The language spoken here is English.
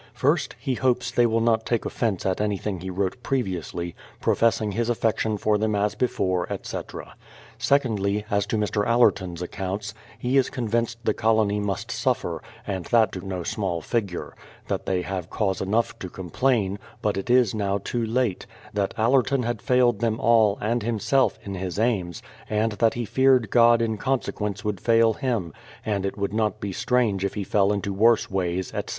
First, he hopes they will not take offence at anything he wrote previously, professing his affection for them as before, etc. Secondly, as to ]\Ir. Allerton's accounts, he is convinced the colony must suffer, and that to no small figure; that they have cause enough to complain, but it is now too late ; that Allerton had failed them all, and himself, in his aims, and that he feared God in consequence would fail him, and it would not be strange if he fell into worse ways, etc.